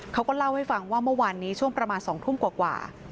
เขาก็เล่าให้ฟังว่าเมื่อวานนี้ช่วงประมาณ๒ทุ่มกว่า